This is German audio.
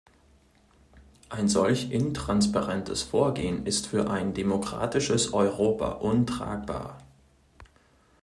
Ein solch intransparentes Vorgehen ist für ein demokratisches Europa untragbar!